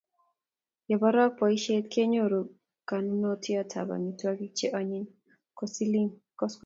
Yeporok poisyet kenyoru konunot ap amitwogik che onyiny koskoling'